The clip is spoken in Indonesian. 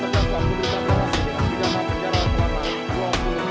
menjagakan bidana layak dengan bidana akan membeli sebuah bidana sedemikian